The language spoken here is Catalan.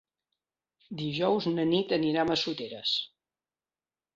Dijous na Nit anirà a Massoteres.